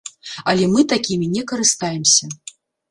Але мы такімі не карыстаемся.